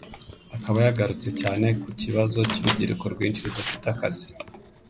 akaba yagarutse cyane ku kibazo cy’urubyiruko rwinshi rudafite akazi